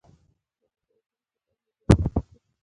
دغلته مو اوبه، چپس او انرژيانې هم واخيستې.